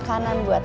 aku mau ke rumah